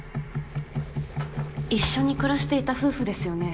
一緒に暮らしていた夫婦ですよね。